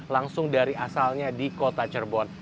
langsung dari asalnya di kota cirebon